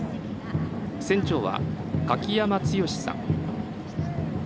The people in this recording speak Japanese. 船長は柿山強さん。